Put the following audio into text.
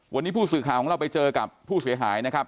วันนี้ผู้สื่อข่าวของเราไปเจอกับผู้เสียหายนะครับ